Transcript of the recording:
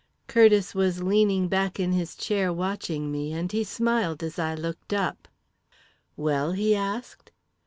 "Curtiss was leaning back in his chair watching me, and he smiled as I looked up. "'Well?' he asked.